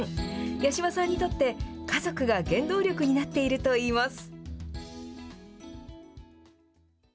八嶋さんにとって家族が原動力になっているといいます。